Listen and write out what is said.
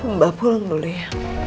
mbak pulang dulu ya